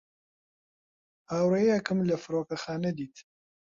هاوڕێیەکم لە فڕۆکەخانە دیت.